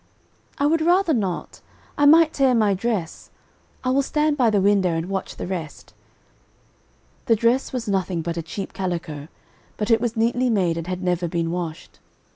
"_] "I would rather not, I might tear my dress, I will stand by the window and watch the rest." The dress was nothing but a cheap calico, but it was neatly made and had never been washed.